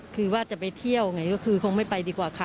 คือว่าจะไปเที่ยวไงก็คือคงไม่ไปดีกว่าค่ะ